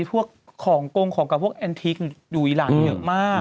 พวกของกงของกับพวกแอนทิกอยู่อีหลานเยอะมาก